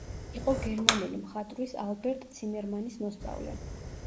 იყო გერმანელი მხატვრის ალბერტ ციმერმანის მოსწავლე.